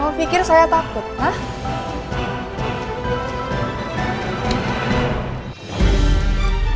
lo pikir saya takut hah